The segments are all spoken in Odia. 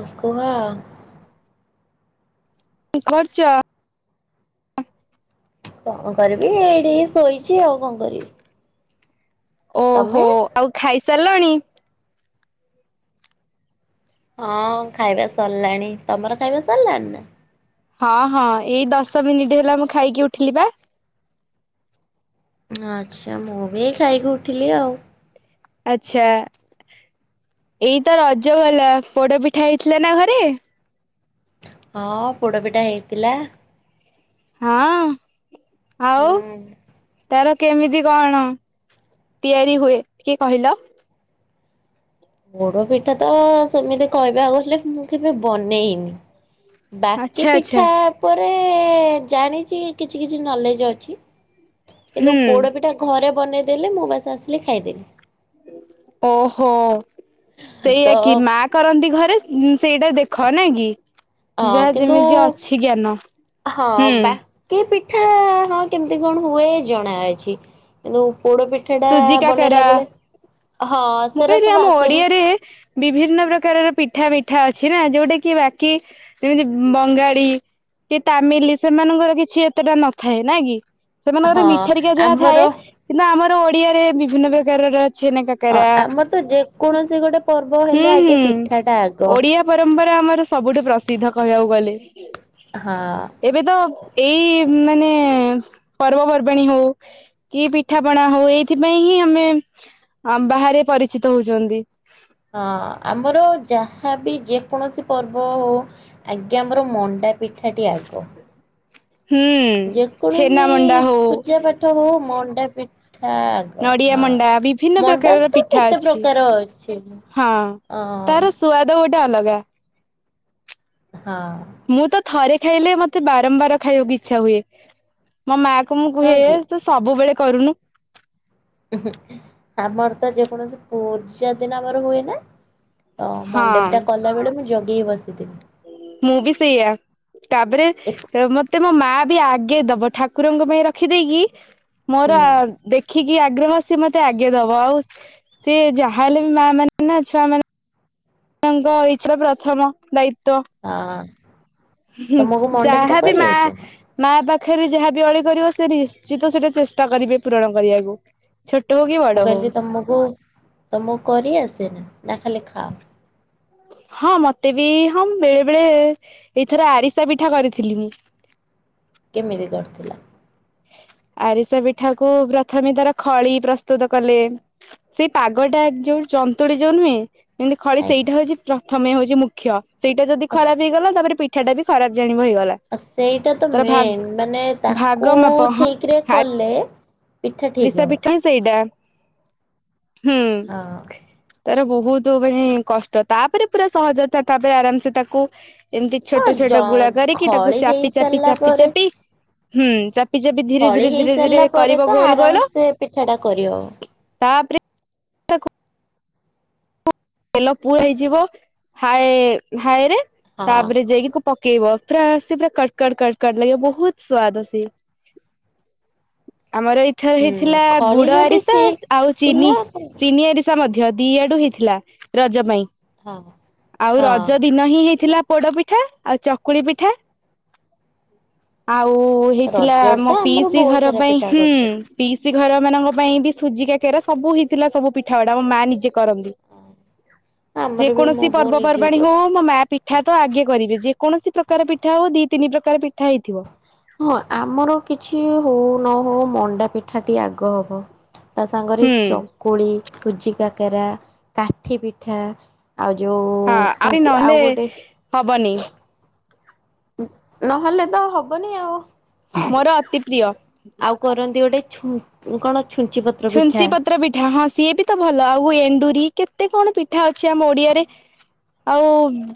ଅ କୁହ? କଣ କରୁଚ? କଣ କରିବି। ଏଇଟିକେ ଶୋଇଛି ଆଉ କଣ କରିବି। ଓହୋ ତମେ? ଆଉ ଖାଇସାରିଲଣି? ହଁ ଖାଇବା ସରିଲାଣି। ତମର ଖାଇବା ସରିଲାଣି ନା। ହଁ ହଁ ଏଇ ଦଶ ମିନିଟ୍ ହେଲା ମୁଁ ଖାଇକି ଉଠିଲି ବା। ଆଚ୍ଛା ମୁଁ ବି ଏ ଖାଇକି ଉଠଲି ଆଉ। ଆଛା ଏଇତ ରଜ ଗଲା। ପୋଡ଼ ପିଠା ହେଇଥିଲା ନା ଘରେ? ହଁ ପୋଡପିଠା ହେଇଥିଲା। ହଁ ଆଉ ହୁଁ ତାର କେମିତି କଣ ତିଆରି ହୁଏ ଟିକେ କହିଲ? ପୋଡ଼ ପିଠା ତ ସେମିତି କହିବାକୁ ଗଲେ ମୁଁ କେବେ ବନେଇନି। ବାକି ଆଚ୍ଛା ଆଚ୍ଛା ପିଠା ଉପରେ ଜାଣିଛି କିଛି କିଛି ନଲେଜ ଅଛି। କିନ୍ତୁ ହୁଁ ପୋଡ଼ପିଠା ଘରେ ବନେଇଦେଲେ ମୁଁ ବାସ ଆସିଲେ ଖାଇଦେବି। ଓହୋ ତ ସେଇଆ କି ମା କରନ୍ତି ଘରେ ସେଇଟା ଦେଖ ନାଇ କି ହଁ ଯାହା ଯେମିତି କିନ୍ତୁ ଅଛି ଜ୍ଞାନ ହଁ ହୁଁ ବାକି ପିଠା ହଁ କେମତି କଣ ହୁଏ ଜଣା ଅଛି। ଓ ପୋଡ ପିଠା ଟା ସୁଜି ବନେଇଲା କାକରା ବେଳେ ହଁ ମୁଁ ସେରା କହିଲି ସବୁ ଆମ ଆସେ ଓଡିଆରେ ବିଭିନ୍ନ ପ୍ରକାରର ପିଠା ମିଠା ଅଛି ନା ଯୋଉଟା କି ବାକି ଯେମିତି ବଙ୍ଗାଳି। କି ତାମିଲ ସେମାନଙ୍କର କିଛି ଏତେଟା ନଥାଏ ନାଇଁକି? ସେମାନଙ୍କର ହଁ ମିଠାରିକା ଯାହା ଆମର ଥାଏ। କିନ୍ତୁ ଆମର ଓଡିଆରେ ବିଭିନ୍ନ ପ୍ରକାର ଛେନକା ହଁ ଆମର ତ ଯେକୌଣସି ଗୋଟେ ପର୍ବ ହୁଁ ହେଲେ ଆଗେ ହୁଁ ପିଠାଟା ଆଗ। ଓଡିଆ ପରମ୍ପରା ଆମର ସବୁଠୁ ପ୍ରସିଦ୍ଧ କହିବାକୁ ଗଲେ। ହଁ। ଏବେ ତ ଏଇ ମାନେ ପର୍ବ ପର୍ବାଣୀ ହୋଉ କି ପିଠାପଣା ହଉ ଏଇଥିପାଇଁ ହିଁ ଆମେ ବାହାରେ ପରିଚିତ ହଉଛନ୍ତି। ହଁ ଆମର ଯାହା ବି ଯେକୌଣସି ପର୍ବ ହଉ ଆଜ୍ଞା ଆମର ମଣ୍ଡା ପିଠାଟି ଆଗ। ହୁଁ ଛେନା ଯେକୌଣସି ମଣ୍ଡା ହଉ। ପୂଜା ପାଠ ହଉ ମଣ୍ଡା ପି ଠା ଆଗ ନଡିଆ ହ ମଣ୍ଡା ବିଭିନ୍ନ ମଣ୍ଡା ପ୍ରକାରର ତ ପିଠା କେତେ ଅଛି ପ୍ରକାର ଅଛି। ହଁ ଅ ତାର ସୁଆଦ ଗୋଟେ ଅଲଗା। ହଁ। ମୁଁ ତ ଥରେ ଖାଇଲେ ମତେ ବାରମ୍ବାର ଖାଇବାକୁ ଇଛା ହୁଏ। ମୋ ମା କୁ ମୁଁ ହଁ କୁହେ କି ତୁ ସବୁବେଳେ କରୁନୁ। ଆମର ତ ଯେକୌଣସି ପୂଜା ଦିନ ଆମର ହୁଏ ନା। ତ ହଁ ମଣ୍ଡା ପିଠା କଲା ବେଳେ, ମୁଁ ଜଗିିକି ବସିଥିବି। ମୁଁ ବି ସେଇଆ। ତାପରେ, ଏ ମତେ ମୋ ମା ବି ଆଗେ ଦବ, ଠାକୁରଙ୍କ ପାଇଁ ରଖିଦେଇକି ହୁଁ ମୋର ଦେଖି ଦେଖିକି ଆଗ୍ରହ ସେ ମତେ ଆଗେ ଦବ, ଆଉ ସିଏ ଯାହା ହେଲେ ବି ମା'' ମାନେ ନା ଛୁଆ ମାନେ ଛୁଆଙ୍କ ଇଛା, ପ୍ରଥମ ଦାୟିତ୍ଵ। ଆଁ। ହି ହି! ଯାହାବି ମା ଆସେ ନା ମା ପାଖରେ ଯାହା ବି ଅଳି କରିବ, ସେ ନିଶ୍ଚିତ ସେଟା ଚେଷ୍ଟା କରିବେ ପୂରଣ କରିବାକୁ। ଛୋଟ ହଉ, କି ବଡ ହଉ। ମୁ କୋଉ ତମ କୁ କରି ଆସେ, ନା ଖାଲି ଖାଅ? ହଁ ମତେ ବି ହଁ ବେଳେ ବେଳେ ଏଇଥର ଆରିସା ପିଠା କରିଥିଲି। କେମିତି କରିଥିଲ? ଆରିସା ପିଠା କୁ ପ୍ରଥମେ, ତାର ଖଳି ପ୍ରସ୍ତୁତ କଲେ ସେଇ ପାଗ ଟା, ଯୋଉ ଚନ୍ତୁଳି ଯୋଉ ନୁହେଁ। ଏମତି ଖଳି ଆଜ୍ଞା ସେଇଟା ହଉଛି ପ୍ରଥମେ ହଉଛି ମୁଖ୍ୟ, ସେଇଟା ଯଦି ଅସ୍ ଖରାପ ହେଇଗଲା ତାପରେ ପିଠ ସେଟା ବି ଖରାପ ଜାଣିବ ହେଇଗଲା। ସେଇଟା ତ ତାର ଭାଗ ମେନ୍, ମାନେ ଭାଗ ତାକୁ ମାପ ଠିକ ରେ କଲେ ପିଠା ଠିକ ହବ ଆରିଶାପିଠା ସେଇଟା, ହୁଁ! ତାର ବହୁତ ମାନେ କଷ୍ଟ, ତାପରେ ପୁରା ସହଜ ତାପରେ ଆରାମସେ ତାକୁ ଏମିତି ହଁ ହଁ ଜ ଛୋଟ-ଛୋଟ ଗୁଳା କରିକି, ତାକୁ ଖଳି ହେଇସାରିଲା ଚାପି-ଚାପି-ଚାପି- ପରେ ଚାପି, ହୁଁ ଚା ଚାପି ବି ଧୀରେ-ଧୀରେ-ଧୀରେ-ଧୀରେ କରିବ ଗୋଲ ଗୋଲ ଆରାମସେ ପିଠା ଟା କରି ହବ। ତାପରେ ତାକୁ ତେଲ ପୁ ହେଇଯିବ ହାଏ ହାଏରେ ହଁ ତାପରେ ଯାଇକି ପ ପକେଇବ ପୁରା ସେ ପୁରା କଟ-କଟ-କଟ-କଟ ଲାଗିବ ବହୁତ, ସୁଆଦ ସିଏ। ଆମର ଏଇଥର ହୁଁ ହେଇଥିଲା ଖଳି ଗୁଡ ଯଦି ଆରିସା ଠିକ ଆଉ ଚିନି, ଥିଲା ହଁ ଚିନି ଆରିସା। ଷା ମଧ୍ୟ, ଦିଆଡୁ ହେଇଥିଲା ରଜ ପାଇଁ। ହଁ। ଆଉ ରଜ ଦି ନ ହିଁ ହେଇଥିଲା, ପୋଡ ପିଠା ଆଉ ଚକୁଳି ପିଠା ଆଉ ହେଇଥିଲା ରଜରେ ତ ମୋ ଆମର ପିଇସି ବହୁତ ଘର ସାରା ପାଇଁ ପିଠା ହୁଁ। କରିଥିଲେ। ପିଇସି ଘର ମାନଙ୍କ ପାଇଁ ବି, ସୁଜି କାକେରା ସବୁ ହେଇଥିଲା, ସବୁ ପିଠା ଗୁଡା ମୋ ମା ନିଜେ କରନ୍ତି। ଓ ଆମର ବି ମୁଁ ପର୍ବପର୍ବାଣି ହଉ ମୋ ମା ପିଠା ତ ଆଗେ କରିବେ, ଯେକୌଣସି ପ୍ରକାର ପିଠା ହଉ ଦି, ତିନି ପ୍ରକାର ପିଠା ହେଇଥିବ। ହଁ ଆମର କିଛି ହଉ ନ ହଉ, ମଣ୍ଡା ପିଠାଟି ଆଗ ହବ। ତା ସାଙ୍ଗରେ ହୁଁ ଚକୁଳି, ସୁଜି କାକରା, କାଠି ପିଠା। ଆଉ ଯୋଉ ହଁ ଆରେ କନ୍ତି ନହେଲେ ଆଉ ଗୋଟେ ହବନି। ନହେଲେ ତ ହବନି ଆଉ। ମୋର ଅତି ପ୍ରିୟ। ଆଉ କରନ୍ତି ଗୋଟେ ଛୁ କଣ ଛୁଞ୍ଚି ପତ ଛୁଞ୍ଚି ପତ୍ ପତ୍ର ପିଠା, ହଁ ସିଏ ବି ତ ଭଲ, ଆଉ ଏଣ୍ଡୁରି କେତେ କଣ ପିଠା ଅଛି ଆମ ଓଡିଆରେ। ଆଉ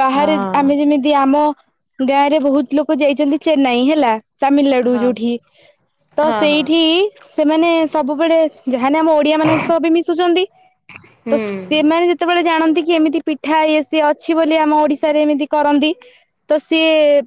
ବାହାରେ, ହଁ। ଆମେ ଯେମିତି ଆମ ଗାଁ ରେ ବହୁତ ଲୋକ ଯାଇଛନ୍ତି ଚେନ୍ନାଇ ହେଲା ତାମିଲନାଡୁ ହଁ ଯୋଉଠି, ତ ହଁ ହଁ ସେଇଠି ସେମାନେ ସବୁବେଳେ ଯାହାଲେ ଆମ ଓଡିଆ ମାନଙ୍କ ସହ ବି ମିଶୁଛନ୍ତି ତ ହୁଁ ସେମାନେ ଯେତେବେଳେ ଜାଣନ୍ତି କି ଏମିତି ପିଠା ଏ ସିଏ ଅଛି ବୋଲି ଆମ ଓଡିଶାରେ ଏମିତି କରନ୍ତି ତ ସିଏ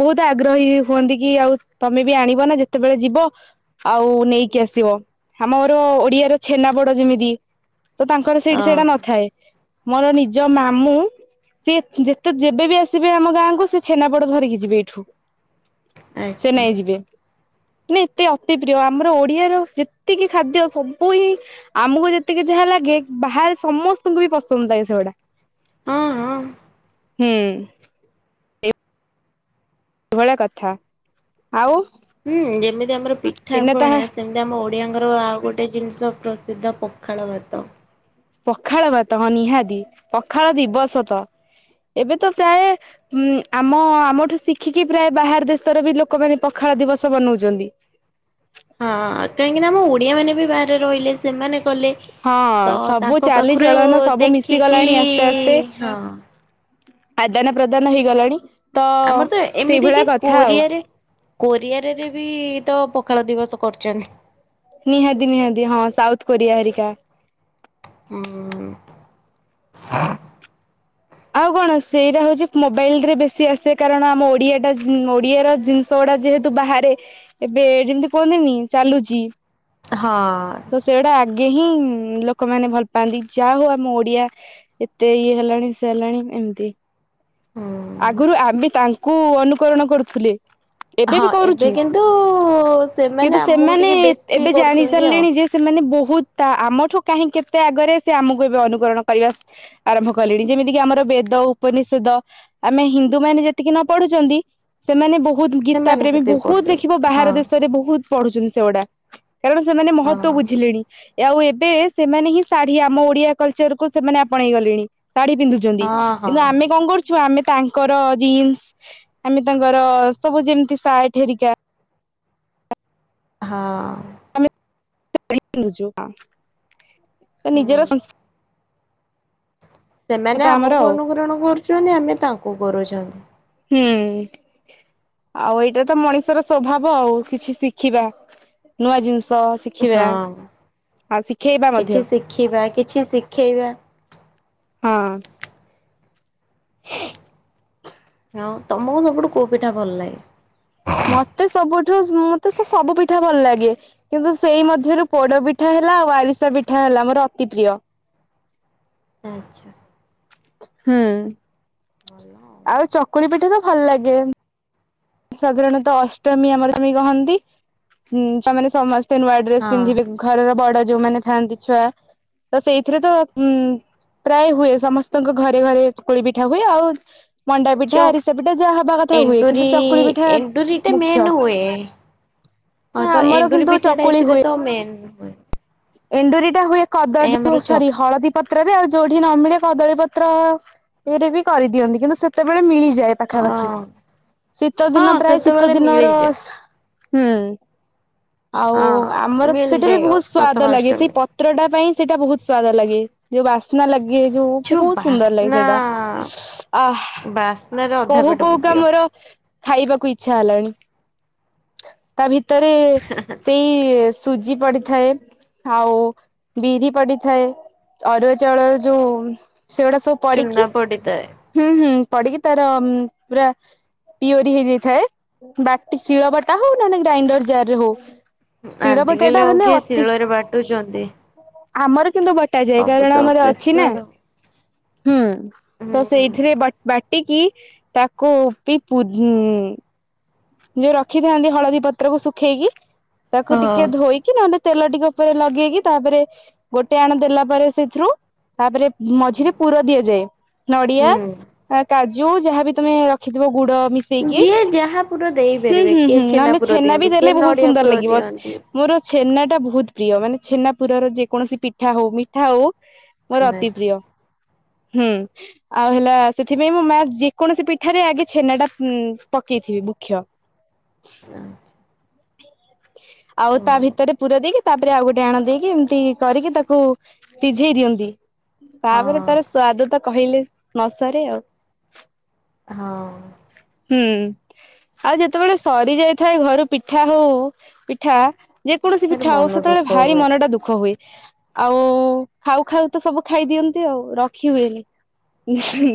ବହୁତ ଆଗ୍ରହୀ ହୁଅନ୍ତି କି ଆଉ ତମେ ବି ଆଣିବ ନା ଯେତେବେଳେ ଯିବ ଆଉ ନେଇକି ଆସିବ। ଆମର ଓଡିଆର ଛେନା ପୋଡ ଯେମିତି ତ ତାଙ୍କର ସେଇଠି ହଁ ସେଇଟା ନଥାଏ ମୋର ନିଜ ମାମୁଁ ସେ ଯେତେ ଯେବେ ବିି ଆସିବେ ଆମ ଗାଁକୁ ସେ ଛେନାପୋଡ ଧରିକି ଯିବେ ଏଠୁ ସେ ଆଚ୍ଛା ନାଇ ଯିବେ ନା ଏତେ ଅତି ପ୍ରିୟ ଆମର ଓଡିଆର ଯେ ଏତିକି ଖାଦ୍ୟ ସବୁ ହିଁ ଆମକୁ ଯେତିକି ଯାହା ଲାଗେ ବାହାରେ ସମସ୍ତଙ୍କୁ ବି ପସନ୍ଦ ଲାଗେ ସେଗୁଡା ହଁ ହଁ ହୁଁ ଭଳିଆ କଥା ଆଉ ହୁଁ ଯେମିତି ଆମର ଏଇନା ପିଠାପଣା ତାହା ସେମ ଆମ ଓଡିଆଙ୍କର ଆଉ ଗୋଟେ ଜିନିଷ ପ୍ରସିଦ୍ଧ ପଖାଳ ଭାତ ପଖାଳ ଭାତ ହଁ ନିହାତି ପଖାଳ ଦିବସ ତ ଏବେ ତ ପ୍ରାୟ ଉଁ ଆମ ଆମଠୁ ଶିଖିକି ପ୍ରାୟ ବାହାର ଦେଶର ବି ଲୋକମାନେ ପଖାଳ ଦିବସ ବନଉଛନ୍ତି ହଁ କାହିଁକି ନା ଆମ ଓଡିଆ ମାନେ ବି ବାହାରେ ରହିଲେ ସେମାନେ କଲେ ହଁ ତ ସବୁ ତାଙ୍କ ପାଖରୁ ଚାଲିଚଳନ ସବୁ ମିଶି ଦେଖିକି ଗଲାଣି ଆସ୍ତେ ଆସ୍ତେ ହଁ ଆଦାନ ପ୍ରଦାନ ହେଇଗଲାଣି ତ ଆମର ତ ଏମିତି କି ସେଇଭଳିଆ କଥା ଆଉ କୋରିଆରେ କୋରିଆରରେ ବି ତ ପଖାଳ ଦିବସ କରଛନ୍ତି ନିହାତି ନିହାତି ହଁ ସାଉଥ କୋରିଆ ହେରିକା ଉଁ ଉଁ। ଆଉ କଣ ସେଇଟା ହଉଛି ମୋବାଇଲ ରେ ବେଶୀ ଆସେ କାରଣ ଆମ ଓଡିଆଟା ଓଡିଆର ଜିନିଷ ସଡା ଯେହେତୁ ବାହାରେ ଏବେ ଯେମିତି କୁହନ୍ତିନି ଚାଲୁଛି ହଁ। ତ ସେଗୁଡା ଆଗେ ହିଁ ଲୋକମାନେ ଭଲ ପାଆନ୍ତି ଯାହା ହଉ ଆମ ଓଡିଆ ଏତେ ଇଏ ହେଲାଣି ସେ ହେଲାଣି ଏମିତି ହୁଁ ଆଗରୁ ଆମେ ତାଙ୍କୁ ଅନୁକରଣ କରୁଥିଲେ ଏବେ ବି ହଁ କରୁଚୁ କିନ୍ତୁ ସେମାନେ କିନ୍ତୁ ଆମକୁ ସେମାନେ ଟିକେ ବେଶୀ ଏବେ ଜାଣି କରୁଛନ୍ତି ଆଉ। ସାରିଲେଣି ଯେ ସେମାନେ ବହୁତ ଆମଠୁ କାହିଁ କେତେ ଆଗରେ ସେ ଆମକୁ ଏବେ ଅନୁକରଣ କରିବା ଆରମ୍ଭ କଲେଣି। ଯେମିତି କିି ଆମର ବେଦ, ଉପନିଷେଦ ଆମେ ହିନ୍ଦୁମାନେ ଯେତିକି ନ ପଢୁଛନ୍ତି ସେମାନେ ବହୁତ ଗୀତା ସେମାନେ ପ୍ରେମୀ, ସେତିକି ବହୁତ ପଢୁଛନ୍ତି ଦେଖିବ ବାହାର ହଁ ଦେଶରେ ବହୁତ ପଢୁଛନ୍ତି ସେଗୁଡା। କାରଣ ସେମାନେ ହଁ ମହତ୍ତ୍ୱ ବୁଝିଲେଣି। ଆଉ ଏବେ ସେମାନେ ହିଁ ଶାଢୀ ଆମ ଓଡିଆ କଲଚରକୁ ସେମାନେ ଆପଣେଇ ଗଲେଣି। ଶାଢୀ ପିନ୍ଧୁ ଚନ୍ତି। ହଁ ହଁ। କିନ୍ତୁ ଆମେ କଣ କରୁଛୁ ଆମେ ତାଙ୍କର ଜିନ୍ସ, ଆମେ ତାଙ୍କର ସବୁ ଯେମିତି ସାର୍ଟ ହେରିକା ହଁ। ଆମେ [unintelligible] ପିନ୍ଧୁଚୁ ହଁ। ହୁଁ। ନିଜର ସେମାନେ କଥା ଆମର ଆମକୁ ଆଉ। ଅନୁକରଣ କରୁଛନ୍ତି ଆମେ ତାଙ୍କୁ କରୁଛନ୍ତି। ହୁଁ। ଆଉ ଏଇଟା ତ ମଣିଷର ସ୍ୱଭାବ ଆଉ। କିଛି ଶିଖିବା, ନୂଆ ଜିନିଷ ଶିଖିବା। ହଁ। ଆଉ ଶିଖେଇବା ମଧ୍ୟ କିଛି ଶିଖିବା, କିଛି ଶିଖେଇବା ହଁ। ହଁ ତମୁକୁ ସବୁଠୁ କୋଉ ପିଠା ଭଲ ଲାଗେ? ମତେ ସବୁଠୁ, ମତେ ତ ସବୁ ପିଠା ଭଲ ଲାଗେ। କିନ୍ତୁ ସେଇ ମଧ୍ୟରୁ ପୋଡ ପିଠା ହେଲା ଆଉ ଆରିସା ପିଠା ହେଲା ମୋର ଅତି ପ୍ରିୟ। ହୁଁ, ଆଚ୍ଛା। ହୁଁ। ଆଉ ଚକୁଳି ପିଠା ତ ଭଲ ଲାଗେ। ସାଧାରଣତଃ ଅଷ୍ଟମୀ ଆମର ସେମି କହନ୍ତି, ଉମ୍ ତାମାନେ ସମସ୍ତେ ନୂଆ ଡ୍ରେସ ହଁ ପିନ୍ଧିବେ ଘରର ବଡ ଯୋଉମାନେ ଥାଆନ୍ତି ଛୁଆ, ତ ସେଇଥିରେ ତ ଉମ୍ ପ୍ରାୟ ହୁଏ। ସମସ୍ତଙ୍କ ଘରେ ଘରେ ଚକୁଳି ପିଠା ହୁଏ ଆଉ ମଣ୍ଡା ପିଠା, ଆରିସା ପିଠା, ଯାହା ହବା କଥା ହୁଏ। କିନ୍ତୁ ଚକୁ ଇ ଏଣ୍ଡୁରିଟା ମେନ ହୁଏ ହଁ ନା ତ ଆମର ଏଣ୍ଡୁରି କିନ୍ତୁ ପିଠାଟା ଏଥିରେ ତ ମେନ୍। ମୋ ପାଇଁ ଏଣ୍ଡୁରିଟା ହୁଏ କଦଳୀ ଯୋଉ ଚ ସରି ହଳଦୀ ପତ୍ରରେ ଆଉ, ଯୋଉଠି ନ ମିଳେ କଦଳୀ ପତ୍ର ଇଏରେ ବି କରିଦିଅନ୍ତି କିନ୍ତୁ ସେତେବେଳେ ମିଳିଯାଏ। ପାଖାପାଖି। ହଁ ଶୀତଦିନ ହଁ ପ୍ରାୟ ସେତେବେଳେ ଶୀତଦିନର ମିଳିଯାଏ ହୁଁ। ଆଉ ହଁ ଆମର ସେଟା ବି ମିଳିଯାଏ ବହୁତ ସ୍ଵାଦ ଲାଗେ, ସେଇ ପ୍ରଥମାଷ୍ଟମୀ ପତ୍ରଟା ପାଇଁ ସେଟା ବହୁତ ସୁଆଦ ଲାଗେ। ଯୋଉ ବାସ୍ନା ଲାଗେ ଯୋଉ ବହୁତ ସୁନ୍ଦର ଲାଗେ ସେଟା। ଉଁ ଆଃ। ବାସ୍ନାରେ ଅଧା କହୁ ପେଟ କହୁକା ପୁରିଯିବ। ମୋର ଖାଇବାକୁ ଇଚ୍ଛା ହେଲାଣି। ତା ଭିତରେ ସେଇ ସୁଜି ପଡ଼ିଥାଏ ଆଉ ବିରି ପଡିଥାଏ, ଅରୁଆ ଚାଉଳ ଯୋଉ ସେଗୁଡା ସବୁ ଚୁନା ପଡିକି, ପଡିଥାଏ ହୁଁ ହୁଁ। ପଡିକି ତାର ଉମ୍ ପୁରା ପିଓରି ହେଇଯାଇଥାଏ, ବାଟିକି ଶିଳ ବଟା ହଉ ନହେନେ ଗ୍ରାଇଣ୍ଡର ଜାରରେ ହଉ ଶିଳ ଆଜିକାଲି ବଟାଟା ଆଉ ହେଲେ କିଏ ଅ ଶିଳରେ ବାଟୁଚନ୍ତି? ଆମର କିନ୍ତୁ ବଟାଯାଏ। କାରଣ ଆମର ଅଛି ନା ପ୍ରେସର ହୁଁ। ହୁଁ ତ ସେଇଥିରେ ବଟ୍ ବାଟ୍ ଟିକି, ତାକୁ ବି ପୁ ଉମ୍ ଯୋଉ ରଖିଥାନ୍ତି ହଳଦୀ ପତ୍ରକୁ ଶୁଖେଇକି, ତାକୁ ହଁ ଟିକେ ଧୋଇକି କି, ନହେଲେ ତେଲ ଟିକେ ଉପରେ ଲଗେଇକି, ତାପରେ ଗୋଟେ ଆଣ ଦେଲା ପରେ ସେଥିରୁ, ତାପରେ ମଝିରେ ପୁର ଦିଆଯାଏ। ନଡିଆ, ହୁଁ କାଜୁ, ଯାହାବି ତମେ ରଖିଥିବ ଗୁଡ ମି ଯିଏ ଯାହା ପୁର ଦେଇପାରିବେ କିଏ ହୁଁ ଛେନା ନହେଲେ ପୁର ବି ଦିଅନ୍ତି ଦେଲେ କିଏ ବହୁତ ନଡିଆ ସୁନ୍ଦର ପୁର ଲାଗିବ। ଦିଅନ୍ତି। ମୋର ଛେନା ଟା ବହୁତ ପ୍ରିୟ ମାନେ ଛେନା ପୁରର ଯେକୌଣସି ପିଠା ହଉ ମିଠା ହଉ ମୋର ଅତି ପ୍ରିୟ ଆଚ୍ଛା ହୁଁ। ଆଉ ହେଲା ସେଥିପାଇଁ ମୋ ମା ଯେକୌଣସି ପିଠାରେ ଆଗେ ଛେନାଟା ଉ ପକେଇଥିବେ। କ୍ଷ। ଆଛା [inaudible] ଆଉ ତା ଭିତରେ ପୁର ଦେଇକି ତାପରେ ଆଉ ଗୋଟେ ଆଣ ଦେଇକି ଏମିତି କରିକି ତାକୁ ସିଝେଇ ଦିଅନ୍ତି। ତାପରେ ହଁ ତାର ସ୍ୱାଦ ତ କହିଲେ ନ ସରେ ଆଉ ହଁ। ହୁଁ ଆଉ ଯେତେବେଳେ ସରି ଯାଇଥାଏ ଘରୁ ପିଠା ହଉ ପିଠା ଯେକୌଣସି ମୋର ପିଠା ହଉ ମନ ସେତେବେଳେ ଦୁଃଖ ଭାରି ହୁଏ। ମନଟା ଦୁଃଖ ହୁଏ। ଆଉ ଖାଉ ଖାଉ ତ ସବୁ ଖାଇଦିଅନ୍ତି ଆଉ ରଖି ହୁଏନି।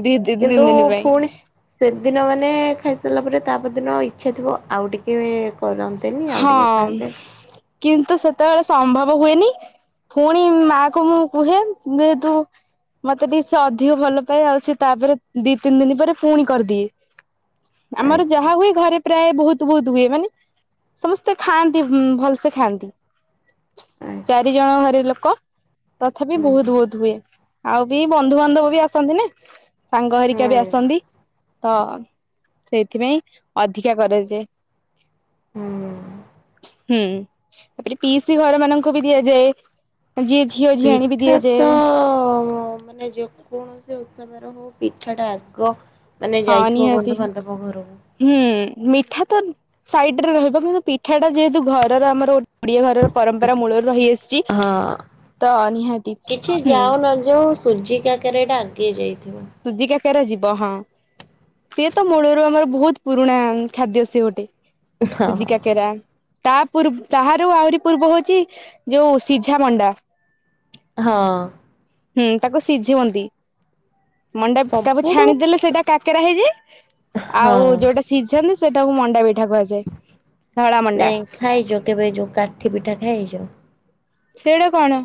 ଦି ତିନି କିନ୍ତୁ ଦିନ ପାଇଁ ଫୁଣି ସେଦିନ ମାନେ ଖାଇସାରିଲା ପରେ ତାପରଦିନ ଇଚ୍ଛା ଥିବ ଆଉ ଟିକେ କରନ୍ତେନି ଆଉ ହଁ ଟିକେ ଖାଆନ୍ତେ କିନ୍ତୁ ସେତେବେଳେ ସମ୍ଭବ ହୁଏନି। ପୁଣି ମାକୁ ମୁଁ କୁହେ ଯେ ତୁ ମତେ ଟିକେ ସେ ଅଧିକ ଭଲ ପାଏ ଆଉ ସେ ତାପରେ ଦି ତିନି ଦିନ ପରେ ପୁଣି କରିଦିଏ। ଆମର ଆଚ୍ଛା ଯାହା ହୁଏ ଘରେ ପ୍ରାୟ ବୋହୁତ ବୋହୁତ ହୁଏ ମାନେ ସମସ୍ତେ ଖାଆନ୍ତି ଭଲସେ ଖାଆନ୍ତି ଆଚ୍ଛା ଚାରି ଜଣ ଘରେ ଲୋକ। ତଥାପି ହୁଁ ବହୁତ ବହୁତ ହୁଏ ଆଉ ବି ବନ୍ଧୁବାନ୍ଧବ ବି ଆସନ୍ତି ନା ସାଙ୍ଗ ହେରିକା ବି ହୁଁ ଆସନ୍ତି ତ ସେଇଥିପାଇଁ ଅଧିକା କରାଯାଏ। ହୁଁ ହୁଁ ତାପରେ ପିଇସି ଘରମାନଙ୍କୁ ବି ଦିଆଯାଏ। ଜିଏ ଝିଅ ଝିଆଣି ବି ପିଠା ଦିଆଯାଏ ତ ମାନେ ଯୋ କୌଣସି ଓଷା ବାର ହଉ ପିଠାଟା ଆଗ ମାନେ ହଁ ଯାଇଥିବ ନିହାତି ବନ୍ଧୁବାନ୍ଧବ ଘରକୁ ହୁଁ ମିଠା ତ ସାଇଡରେ ରହିବ କିନ୍ତୁ ପିଠାଟା ଯେହେତୁ ଘରର ଆମର ଓଡିଆ ଘରର ପରମ୍ପରା ମୂଳରୁ ରହିଆସଛି ହଁ କିଛି ହୁଁ ଯାଉ ନ ଯାଉ ସୁଜି କାକରାଟା ଆଗେ ଯାଇଥିବ। ସୁଜି କାକରା ଯିବ ହଁ ସିଏ ତ ମୂଳରୁ ଆମର ବହୁତ ପୁରୁଣା ଖାଦ୍ୟ ସିଏ ଗୋଟେ ହଁ ହଁ ସୁଜିକା ରା ତା ପୂର୍ ତାହାର ଆହୁରି ପୂର୍ବ ହଉଛି ଯୋଉ ସିଝା ମଣ୍ଡା ହଁ। ହୁଁ ତାକୁ ସିଝନ୍ତି। ମଣ୍ଡା ତାକୁ ସବୁଠୁ ଛାଣିଦେଲେ ସେଇଟା କାକେରା ହେଇଯାଏ ହଁ ଆଉ ଯୋଉଟା ସିଝାନ୍ତି ସେଟାକୁ ମଣ୍ଡା ପିଠା କୁହାଯାଏ। ଧଳା ମଣ୍ଡା ନାଇଁ ଖାଇଛ କେବେ ଯୋଉ କାଠି ପିଠା ଖାଇଛ? ସେଇଟା କଣ?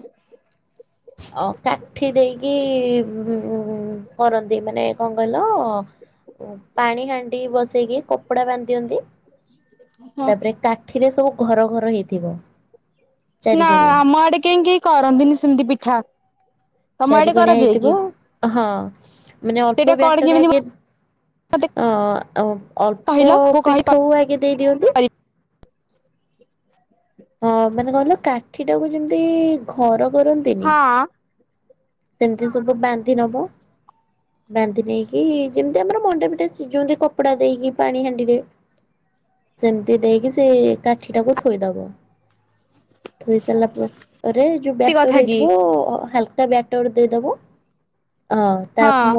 ଅ କାଠି ଦେଇକି ହୁଁ ହୁଁ କରନ୍ତି ମାନେ କଣ କହିଲ ପାଣି ହାଣ୍ଡି ବସେଇକି କପଡା ବାନ୍ଧି ଦିଅନ୍ତି। ହଁ ତାପରେ କାଠିରେ ସବୁ ଘର ଘର ହେଇଥିବ। ନା ଚାରିକଣିଆ ଆମ ଆଡେ କେହି କେହି କରନ୍ତିନି ସେମିତି ପିଠା ତମ ଆଡେ ଚାରିକଣିଆ କରାଯାଏ ହେଇଥିବ କି? ହଁ ମାନେ ଅଲ୍ପ ସେଇଟା କଣ ବ୍ୟାଟର କେମିତି ଆଗେ ମତେ ଅ ଅଳ୍ପ କହିଲ ମୁଁ କହି ପିଠଉକୁ ଆଗେ ଦେଇ ଦିଅନ୍ତୁ ହଁ ମାନେ କହିଲ କାଠିଟାକୁ ଯେମିତି ଘର ହଁ କରନ୍ତିନି ସେମିତି ସବୁ ବାନ୍ଧି ନବ ବାନ୍ଧି ନେଇକି ଯେମିତି ଆମର ମଣ୍ଡା ପିଠା ସିଝଉନ୍ତି କପଡା ଦେଇକି ପାଣି ହାଣ୍ଡିରେ ସେମିତି ଦେଇକି ସେଇ କାଠିଟାକୁ ଥୋଇଦବ। ଥୋଇ ସାରିଲା ପରେ ଯୋଉ ଏମିତି ବ୍ୟାଟର କଥା କି ହେଇଥିବ ହାଲକା ବ୍ୟାଟର ଦେଇଦବ। ଅଁ ତା ହଁ ମୋ